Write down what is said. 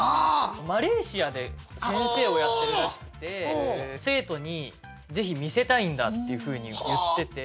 マレーシアで先生をやってるらしくて生徒にぜひ見せたいんだっていうふうに言ってて。